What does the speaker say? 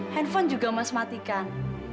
handphone juga mas matikan